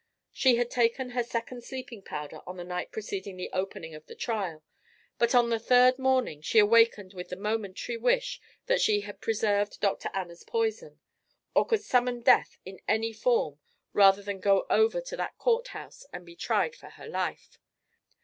She had taken her second sleeping powder on the night preceding the opening of the trial, but on the third morning she awakened with the momentary wish that she had preserved Dr. Anna's poison, or could summon death in any form rather than go over to that courthouse and be tried for her life.